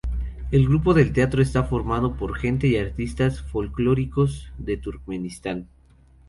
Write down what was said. El Grupo del teatro está formado por gente y artistas folclóricos de Turkmenistán.